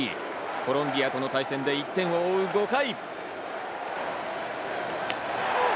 コロンビアとの対戦で１点を追う５回。